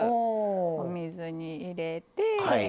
お水に入れて。